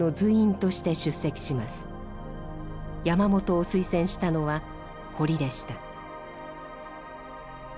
山本を推薦したのは堀でした。